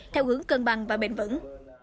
theo hướng cân bằng và bền vững